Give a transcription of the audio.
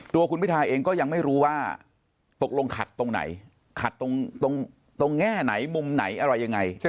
ตัวคุณพิทาเองก็ยังไม่รู้ว่าตกลงขัดตรงไหนขัดตรงแง่ไหนมุมไหนอะไรยังไง